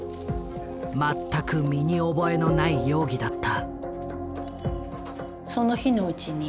全く身に覚えのない容疑だった。